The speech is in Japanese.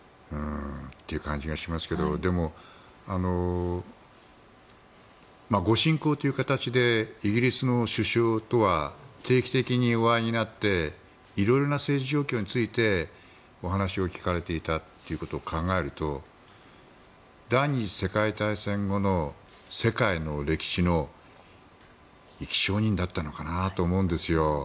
でも、ご親交という形でイギリスの首相とは定期的にお会いになっていろいろな政治状況についてお話を聞かれていたということを考えると第２次世界大戦後の世界の歴史の生き証人だったのかなと思うんですよ。